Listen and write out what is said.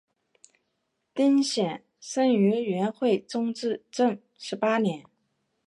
丁显生于元惠宗至正十八年。